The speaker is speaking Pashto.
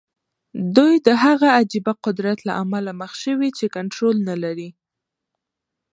دوی د هغه عجيبه قدرت له امله مخ شوي چې کنټرول نه لري.